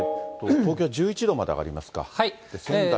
東京は１１度まで上がりますか？